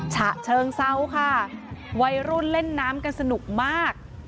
ฉะเชิงเซาค่ะวัยรุ่นเล่นน้ำกันสนุกมาก